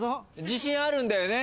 自信あるんだよね？